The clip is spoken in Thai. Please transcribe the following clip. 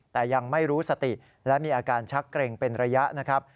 แต่ยังไม่รู้สติและมีอาการชักเกร็งเป็นระยะนะครับ